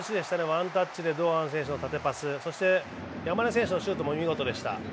ワンタッチで堂安選手の縦パス、そして山根選手のシュートも見事でした。